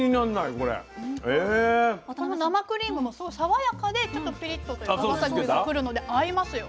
この生クリームもすごく爽やかでちょっとピリッというかわさびがくるので合いますよ。